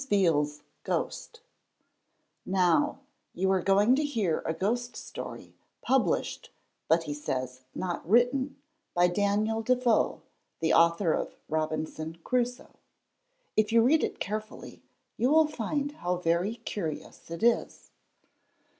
VEAL'S GHOST_ Now you are going to hear a ghost story published, but he says, not written, by Daniel Defoe the author of 'Robinson Crusoe.' If you read it carefully, you will find how very curious it is.